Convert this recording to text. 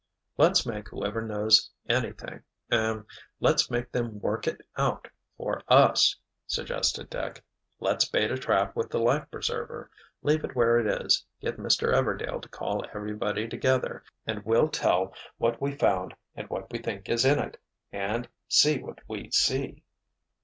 "Let's make whoever knows anything—er—let's make them work it out for us," suggested Dick. "Let's bait a trap with the life preserver—leave it where it is, get Mr. Everdail to call everybody together, and we'll tell what we found and what we think is in it—and see what we see."